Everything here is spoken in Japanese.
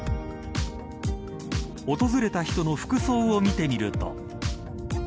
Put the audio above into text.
訪れた人の服装を見てみると。